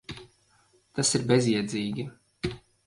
Tas ir bezjēdzīgi.